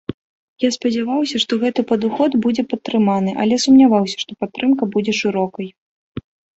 Я спадзяваўся, што гэты падыход будзе падтрыманы, але сумняваўся, што падтрымка будзе шырокай.